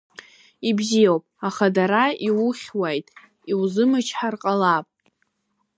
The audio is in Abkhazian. Ибзиоуп, аха дара иухьуаит, иузымчҳар ҟалап.